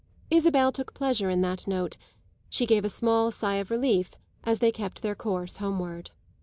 Isabel took pleasure in that note; she gave a small sigh of relief as they kept their course homeward.